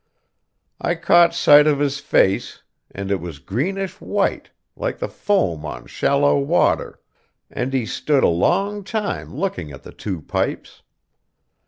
I caught sight of his face, and it was greenish white, like the foam on shallow water, and he stood a long time looking at the two pipes.